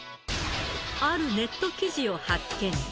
あるネット記事を発見。